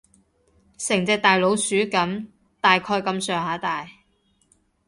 成隻大老鼠噉，大概噉上下大